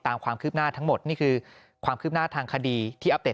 ตามความคืบหน้าทั้งหมดนี่คือความคืบหน้าทางคดีที่อัปเดต